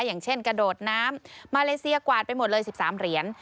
อย่างเช่นกระโดดน้ำมาเลเซียกวาดไปหมดเลย๑๓เหรียญ